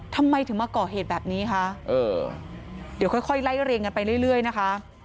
ทำไมถึงมาก่อเหตุแบบนี้คะเดี๋ยวค่อยไล่เรียงกันไปเรื่อยนะคะ